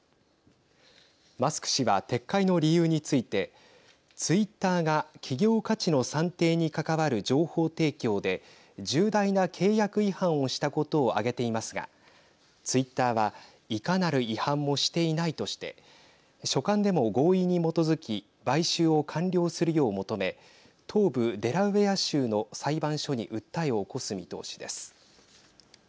マスク氏は撤回の理由についてツイッターが企業価値の算定に関わる情報提供で重大な契約違反をしたことを挙げていますがツイッターはいかなる違反もしていないとして書簡でも合意に基づき買収を完了するよう求め東部デラウェア州の裁判所に訴えを起こす見通しです。